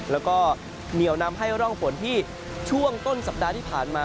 แล้วก็เหนียวนำให้ร่องฝนที่ช่วงต้นสัปดาห์ที่ผ่านมา